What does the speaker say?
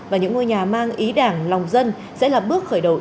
và những ngôi nhà mang ý đảng lòng dân sẽ là bước khởi đầu